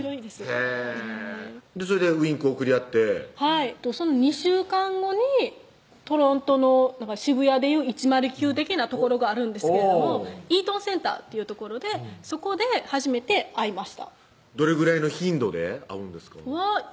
へぇそれでウィンクを送り合ってはいその２週間後にトロントの渋谷でいう１０９的な所があるんですけれどもイートン・センターっていう所でそこで初めて会いましたどれぐらいの頻度で会うんですか？